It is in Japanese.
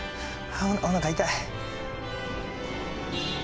おなか痛い。